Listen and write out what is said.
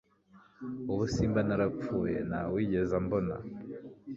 ubu simba narapfuye, nta wigeze ambona